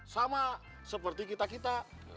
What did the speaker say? sama seperti kita kita